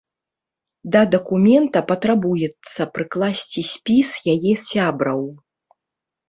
Да дакумента патрабуецца прыкласці спіс яе сябраў.